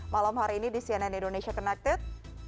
malam hari ini di cnn indonesia connected